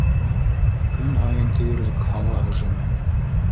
Көн һайын тиерлек һауа һөжүме.